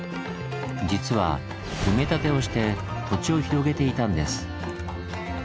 実は埋め立てをして土地を広げていたんです。